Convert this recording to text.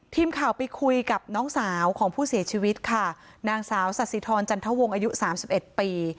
ทีมข่าวไปคุยกับน้องสาวของผู้เสียชีวิตค่ะนางสาวสัสสิทรจันทวงอายุสามสิบเอ็ดปี